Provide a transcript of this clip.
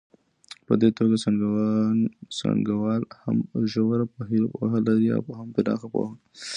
په دې توګه څانګوال هم ژوره پوهه لري او هم پراخه پوهه.